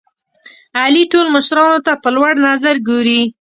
علي ټول مشرانو ته په لوړ نظر ګوري.